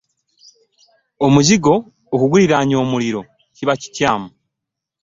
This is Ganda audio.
Omuzigo okuguliraanya omuliro kiba kikyamu.